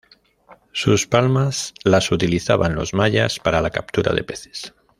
Sus palmas las utilizaban los Mayas para la captura de peces.